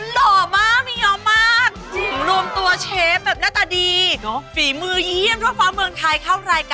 ลูกสาว๒คนที่กระกันมากเลย